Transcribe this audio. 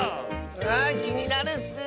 あきになるッス。